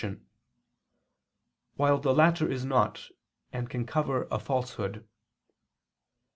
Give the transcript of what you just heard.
1], while the latter is not, and can cover a falsehood.